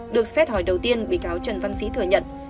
được xét hỏi đầu tiên bị cáo trần văn sĩ thừa nhận